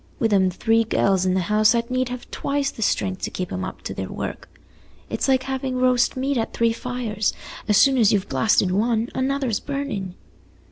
Wi' them three gells in the house I'd need have twice the strength to keep 'em up to their work. It's like having roast meat at three fires; as soon as you've basted one, another's burnin'."